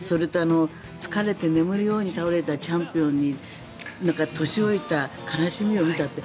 疲れて眠るように倒れたチャンピオンに年老いた悲しみを見たって。